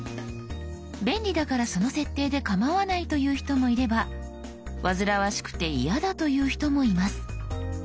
便利だからその設定で構わないという人もいれば煩わしくて嫌だという人もいます。